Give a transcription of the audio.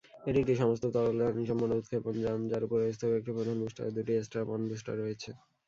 এটি একটি সমস্ত তরল-জ্বালানী সম্পন্ন উৎক্ষেপণ যান, যার উপরের স্তরে একটি প্রধান বুস্টার ও দুটি স্ট্র্যাপ-অন বুস্টার রয়েছে।